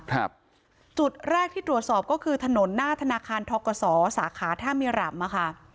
ครับจุดแรกที่ตรวจสอบก็คือถนนหน้าธนาคารท็อกกระสอสสาขาท่ามิรัมณ์